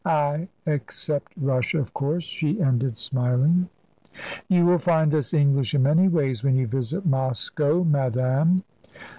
I except Russia, of course," she ended, smiling. "You will find us English in many ways, when you visit Moscow, madame."